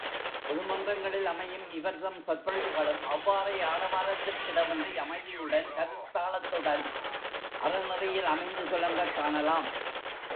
பொது மன்றங்களில் அமையும் இவர்தம் சொற் பொழிவுகளும் அவ்வாறே ஆரவாரத்திற்கிடமின்றி அமைதியுடன் கருத்தாழத்துடன் அறநெறியில் அமைந்து துலங்கக் காணலாம்.